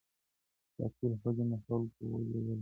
چي قاتل هجوم د خلکو وو لیدلی